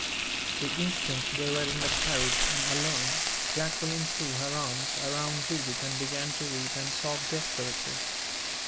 The instant they were in the carriage and alone, Jacqueline threw her arms around Judith and began to weep and sob desperately.